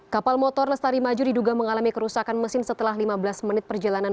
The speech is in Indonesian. kapal motor lestari maju diduga mengalami kerusakan mesin setelah lima belas menit perjalanan